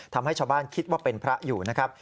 ทำให้ชาวบ้านคิดว่าเป็นพระอยู่นะครับ